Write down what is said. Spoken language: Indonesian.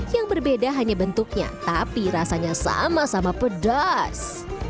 yang berbeda hanya bentuknya tapi rasanya sama sama pedas